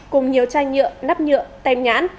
cùng nhiều chai nhựa nắp nhựa tem nhãn